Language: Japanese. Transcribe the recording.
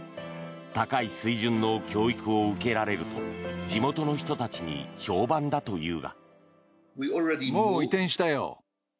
高い水準の教育を受けられると地元の人たちに評判だというが。